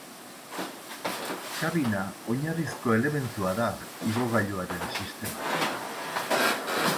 Kabina oinarrizko elementua da igogailuaren sisteman.